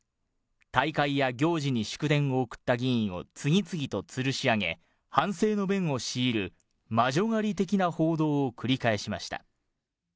大会や行事に祝電を送った議員を次々とつるし上げ、反省の弁を強いる、魔女狩り的な報道を繰り返しました。